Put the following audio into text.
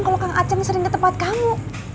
kalau kang aceh sering ke tempat kamu